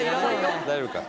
大丈夫か。